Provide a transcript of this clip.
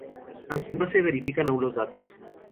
Aunque no se verifican aun los datos.